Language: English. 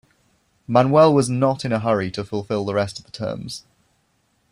Manuel was not in a hurry to fulfill the rest of the terms.